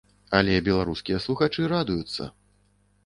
Але беларускія слухачы радуюцца.